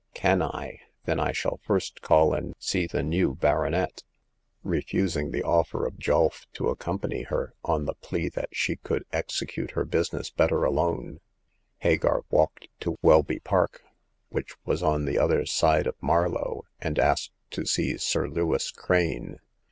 " Can I ?" Then I shall first call and see the new baronet." Refusing the offer of Julf to accompany her, on the plea that she could execute her business better alone, Hagar walked to Welby Park, which was on the other side of Marlow, and asked to see Sir Lewis Crane.